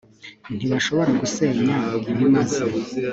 nti bashobora gusenya ibimaze